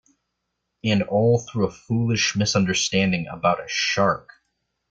And all through a foolish misunderstanding about a shark.